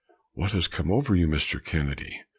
"What has come over you Mr. Kennedy?